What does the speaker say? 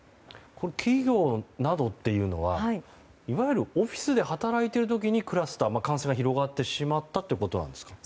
企業などというのはいわゆるオフィスで働いている時にクラスターが感染が広がってしまったということなんですか。